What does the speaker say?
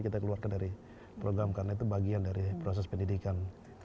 kita keluarkan dari program karena itu bagian dari proses pendidikan